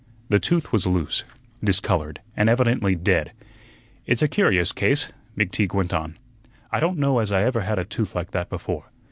The tooth was loose, discolored, and evidently dead. "It's a curious case," McTeague went on. "I don't know as I ever had a tooth like that before.